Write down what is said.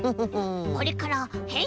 これからへんしんだ！